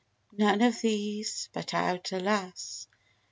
None of these; but out, alas!